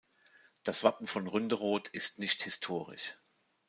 Das Wappen von Ründeroth ist nicht historisch.